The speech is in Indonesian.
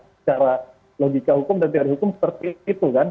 secara logika hukum dan teori hukum seperti itu kan